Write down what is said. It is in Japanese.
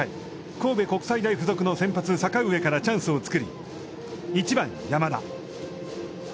神戸国際大付属の先発阪上からチャンスを作り、１番山田。